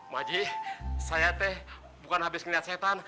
maji saya teh bukan habis ngeliat setan